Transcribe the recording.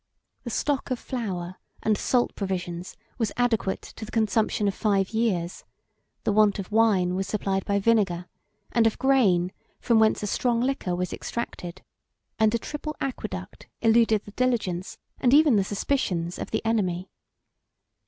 The stock of flour and salt provisions was adequate to the consumption of five years; the want of wine was supplied by vinegar; and of grain from whence a strong liquor was extracted, and a triple aqueduct eluded the diligence, and even the suspicions, of the enemy.